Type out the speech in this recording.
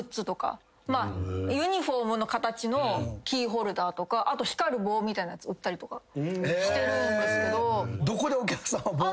ユニホームの形のキーホルダーとか光る棒みたいなやつ売ったりとかしてるんですけど。